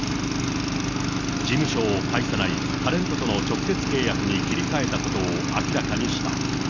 事務所を介さないタレントとの直接契約に切り替えたことを明らかにした。